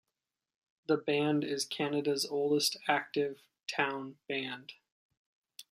The band is Canada's oldest active town band.